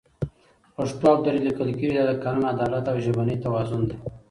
پښتو او دري لیکل کېږي، دا د قانون، عدالت او ژبني توازن